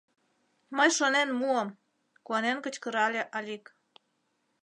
— Мый шонен муым! — куанен кычкырале Алик.